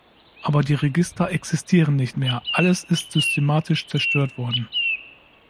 Aber die Register existieren nicht mehr, alles ist systematisch zerstört worden.